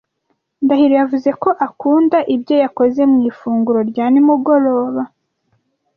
Ndahiro yavuze ko akunda ibyo yakoze mu ifunguro rya nimugoroba,